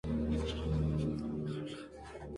Suele tener color caoba oscuro.